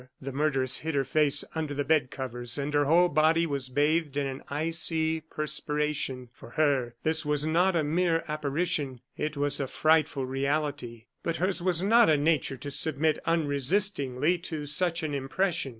The murderess hid her face under the bed covers; and her whole body was bathed in an icy perspiration. For her, this was not a mere apparition it was a frightful reality. But hers was not a nature to submit unresistingly to such an impression.